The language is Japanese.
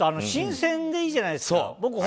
新鮮でいいじゃないですか。